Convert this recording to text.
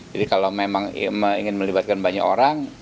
jadi kalau memang ingin melibatkan banyak orang